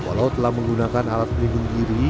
walau telah menggunakan alat pelindung diri